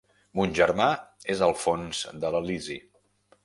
Mon germà és al fons de l’Elisi.